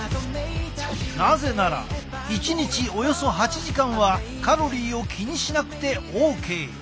なぜなら一日およそ８時間はカロリーを気にしなくてＯＫ。